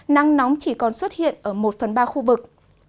nắng nóng chỉ còn xuất hiện ở một phần ba khu vực